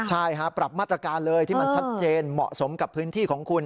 ใช่ปรับมาตรการเลยที่มันชัดเจนเหมาะสมกับพื้นที่ของคุณ